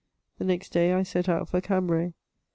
The next day I set out for Cambray.